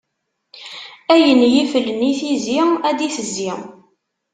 Ayen yiflen i tizi, ur d-itezzi.